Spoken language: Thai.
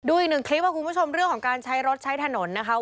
อีกหนึ่งคลิปค่ะคุณผู้ชมเรื่องของการใช้รถใช้ถนนนะคะ